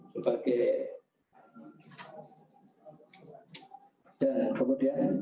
sebagai cedera kemudian